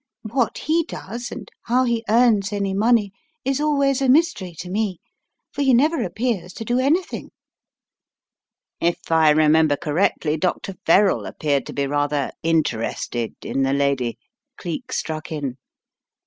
What he does and how he earns any money is always a mystery to me. For he never appears to do anything." "If I remember correctly, Dr. Verrall appeared to be rather 'interested' in the lady," Cleek struck in.